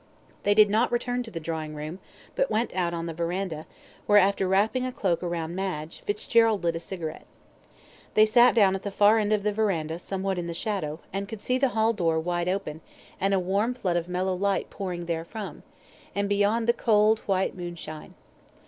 They did not return to the drawing room, but went out on the verandah, where, after wrapping a cloak around Madge, Fitzgerald lit a cigarette. They sat down at the far end of the verandah somewhat in the shadow, and could see the hall door wide open, and a warm flood of mellow light pouring therefrom, and beyond the cold, white moonshine.